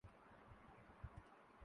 میرے ایک جاننے والے مریض سخت بیمار تھے